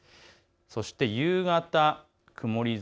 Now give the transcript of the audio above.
そして夕方、曇り空。